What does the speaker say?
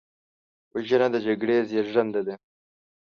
وژنه د جګړې زیږنده ده